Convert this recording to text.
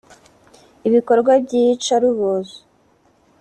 ibikorwa by’iyicarubozo